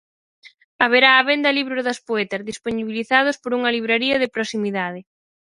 Haberá á venda libros das poetas, dispoñibilizados por unha libraría de proximidade.